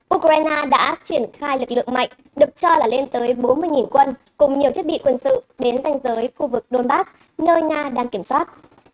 ukraine đã triển khai lực lượng mạnh được cho là lên tới bốn mươi quân cùng nhiều thiết bị quân sự đến canh giới khu vực donbass nơi nga đang kiểm soát